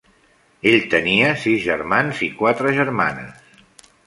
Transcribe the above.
Ell tenia sis germans i quatre germanes.